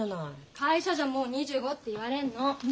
会社じゃ「もう２５」って言われんの。